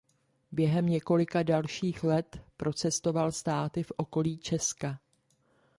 Během několika dalších let procestoval státy v okolí Česka.